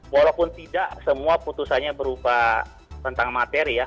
walaupun tidak semua putusannya berupa tentang materi ya